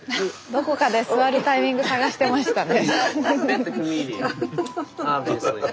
どこかで座るタイミング探してましたね。